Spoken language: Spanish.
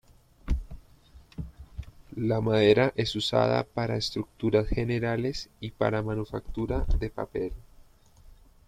La madera es usada para estructuras generales y para manufactura de papel.